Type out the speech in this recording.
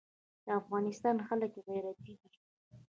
د افغانستان خلک غیرتي دي